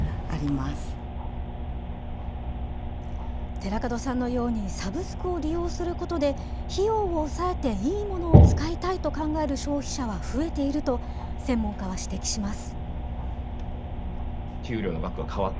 寺門さんのようにサブスクを利用することで、費用を抑えていいものを使いたいと考える消費者は増えていると、専門家は指摘します。